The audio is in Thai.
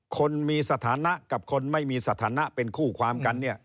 คนมีสถานะกับคนไม่มีสถานะเป็นคู่ความกันเนี่ย